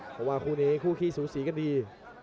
เพราะว่าคู่นี้คู่ขี้สูสีกันดี